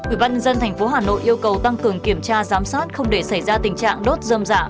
ubnd tp hcm yêu cầu tăng cường kiểm tra giám sát không để xảy ra tình trạng đốt dâm dạ